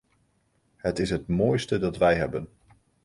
Het is het mooiste dat wij hebben.